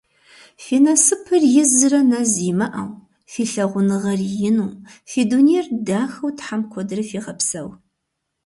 Фи насыпыр изрэ нэз имыӏэу, фи лъагъуныгъэр ину, фи дунейр дахэу Тхьэм куэдрэ фигъэпсэу!